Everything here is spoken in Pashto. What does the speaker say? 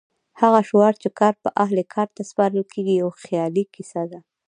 هغه شعار چې کار به اهل کار ته سپارل کېږي یو خیالي کیسه ده.